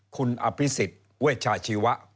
คุณอภิษฎเวชาชีวะ